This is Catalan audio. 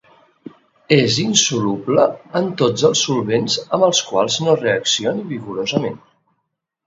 És insoluble en tots els solvents amb els quals no reaccioni vigorosament.